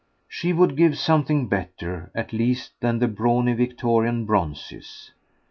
She would give something better at least than the brawny Victorian bronzes.